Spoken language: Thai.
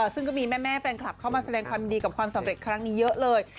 ซึ่งก็มีแม่แฟนคลับเข้ามาแสดงความยินดีกับความสำเร็จครั้งนี้เยอะเลย